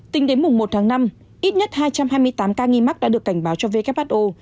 tính đến mùng một tháng năm ít nhất hai trăm hai mươi tám ca nghi mắc đã được cảnh báo cho who